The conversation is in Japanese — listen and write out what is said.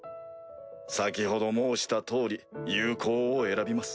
先ほど申した通り友好を選びます。